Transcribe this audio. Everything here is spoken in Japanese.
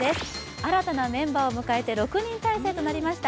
新たなメンバーを迎えて６人体制となりました